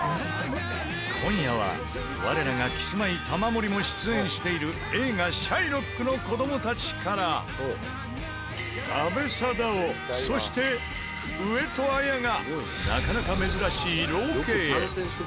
今夜は我らがキスマイ玉森も出演している映画『シャイロックの子供たち』から阿部サダヲそして上戸彩がなかなか珍しいロケへ。